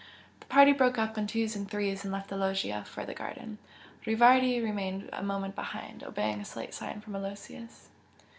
The party broke up in twos and threes and left the loggia for the garden. Rivardi remained a moment behind, obeying a slight sign from Aloysius.